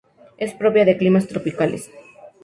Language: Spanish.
Es propia de climas tropicales.